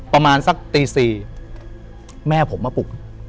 ประมาณสักตี๔แม่ผมมาปลุก